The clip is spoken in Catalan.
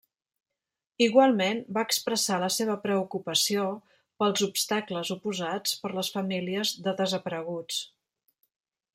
Igualment, va expressar la seva preocupació pels obstacles oposats per les famílies de desapareguts.